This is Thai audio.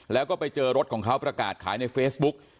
แล้วก็ไปเจอรถของเขาประกาศขายในเฟซบุ๊ก